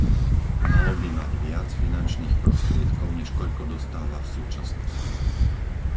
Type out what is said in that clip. Malo by mať viac finančných prostriedkov, než koľko dostáva v súčasnosti.